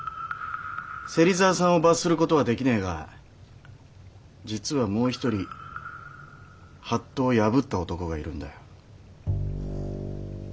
芹沢さんを罰する事はできねえが実はもう一人法度を破った男がいるんだよ。